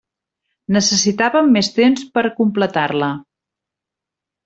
Necessitàvem més temps per completar-la.